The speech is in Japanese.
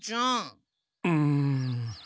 うん。